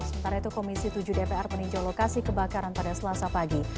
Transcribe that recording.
sementara itu komisi tujuh dpr meninjau lokasi kebakaran pada selasa pagi